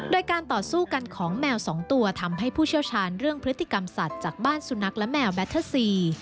โดยการต่อสู้กันของแมวสองตัวทำให้ผู้เชี่ยวชาญเรื่องพฤติกรรมสัตว์จากบ้านสุนัขและแมวแบตเทอร์ซี